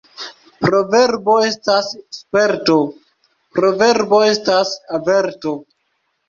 Proverbo estas sperto, proverbo estas averto.